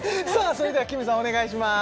それではきむさんお願いします